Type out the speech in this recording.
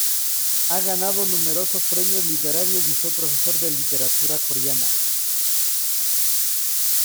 Ha ganado numerosos premios literarios y fue profesor de literatura coreana.